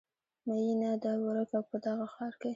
میینه ده ورکه په دغه ښار کې